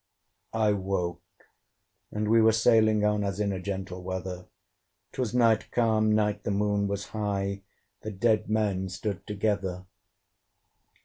I woke, and we were sailing on As in a gentle weather: 'Twas night, calm night, the Moon was high; The dead men stood together.